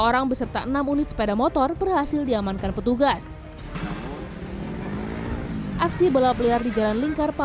orang beserta enam unit sepeda motor berhasil diamankan petugas aksi balap liar di jalan lingkar